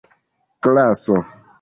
klaso